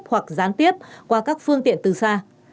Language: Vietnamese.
hoặc gián tiếp qua các phương tiện từ xa